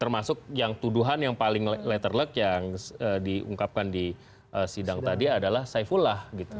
termasuk yang tuduhan yang paling letter luck yang diungkapkan di sidang tadi adalah saifullah